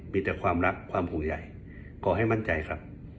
มีแต่ความรักความห่วงใหญ่ขอให้มั่นใจครับ